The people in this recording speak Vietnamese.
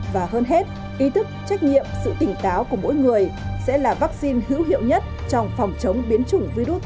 và hơn hết ý thức trách nhiệm sự tỉnh táo của mỗi người sẽ là vaccine hữu hiệu nhất trong phòng chống biến chủng virus tin giả lúc này